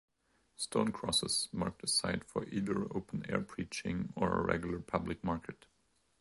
Stone crosses marked a site for either open-air preaching or a regular public market.